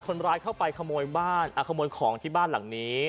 คนร้ายเข้าไปขโมยบ้านขโมยของที่บ้านหลังนี้